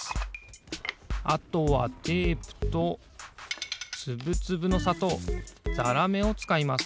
あとはテープとつぶつぶのさとうざらめをつかいます。